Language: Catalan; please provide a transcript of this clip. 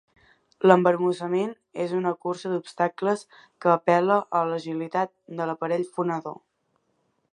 L'embarbussament és una cursa d'obstacles que apel·la a l'agilitat de l'aparell fonador.